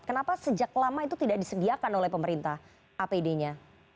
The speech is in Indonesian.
kenapa sejak lama itu tidak disediakan oleh pemerintah apd nya